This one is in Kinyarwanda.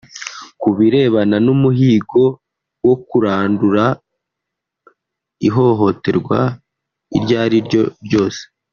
Ku birebana n’umuhigo wo kurandura ihohoterwa iryariryo ryose